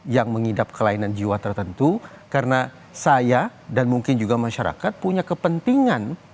yang mengidap kelainan jiwa tertentu karena saya dan mungkin juga masyarakat punya kepentingan